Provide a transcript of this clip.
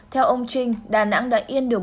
theo ông trinh đà nẵng đã yên được